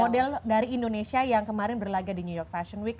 model dari indonesia yang kemarin berlagak di new york fashion week